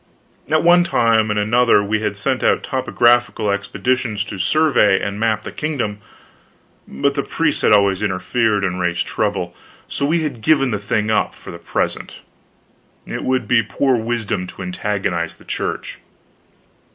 At one time and another we had sent out topographical expeditions to survey and map the kingdom, but the priests had always interfered and raised trouble. So we had given the thing up, for the present; it would be poor wisdom to antagonize the Church.